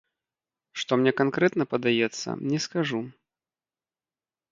Што мне канкрэтна падаецца, не скажу.